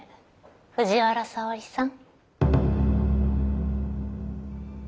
藤原沙織さん。